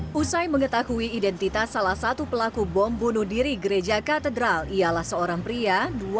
pusai mengetahui identitas salah satu pelaku bom bunuh diri gereja katedral ialah seorang pria